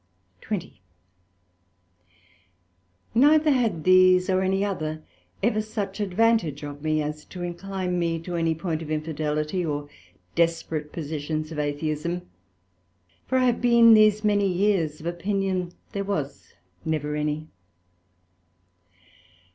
SECT.20 Neither had these or any other ever such advantage of me, as to incline me to any point of Infidelity or desperate positions of Atheism; for I have been these many years of opinion there was never any.